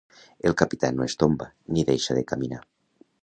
El capità no es tomba ni deixa de caminar.